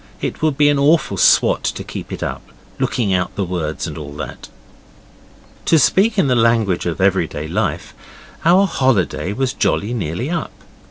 It would be an awful swot to keep it up looking out the words and all that.) To speak in the language of everyday life, our holiday was jolly nearly up.